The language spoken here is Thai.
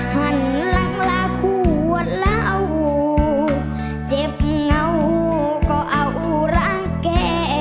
มันหลังลากวนแล้วเจ็บเหงาก็เอารักแก